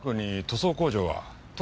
塗装工場？